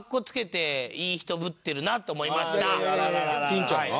金ちゃんが？